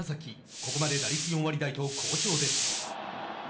ここまで打率４割代と好調です。